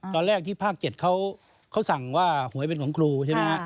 ตอนแรกที่ภาค๗เขาสั่งว่าหวยเป็นของครูใช่ไหมฮะ